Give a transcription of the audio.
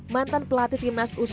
mantan pelatih timnas u sembilan belas